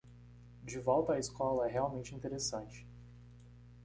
De volta à escola é realmente interessante